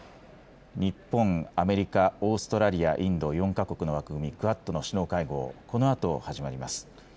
日本、アメリカ、オーストラリア、インド、４か国の枠組み、クアッドの首脳会合、このあと始まります。